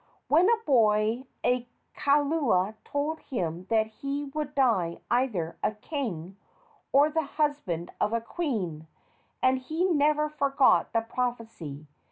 When a boy a kaula told him that he would die either a king or the husband of a queen, and he never forgot the prophecy.